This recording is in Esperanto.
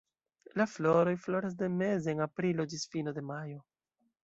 La floroj floras de meze de aprilo ĝis fino de majo.